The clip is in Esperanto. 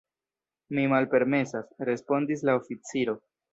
“Mi malpermesas,” respondis la oficiro.